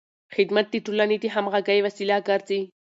خدمت د ټولنې د همغږۍ وسیله ګرځي.